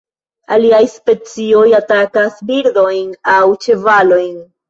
Aliaj specioj atakas birdojn aŭ ĉevalojn.